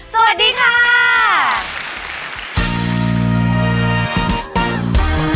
สวัสดีค่ะ